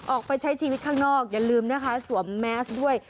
ออกไปใช้ชีวิตข้างนอกอย่าลืมนะคะสวมแมสด้วย